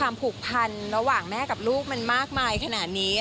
ผูกพันระหว่างแม่กับลูกมันมากมายขนาดนี้